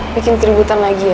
bikin tributan lagi ya